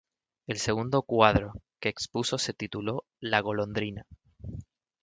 El segundo cuadro que expuso se tituló "La golondrina.